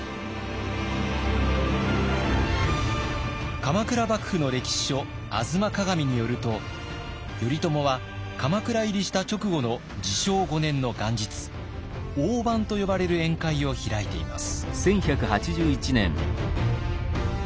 鎌倉幕府の歴史書「吾妻鏡」によると頼朝は鎌倉入りした直後の治承５年の元日飯と呼ばれる宴会を開いています。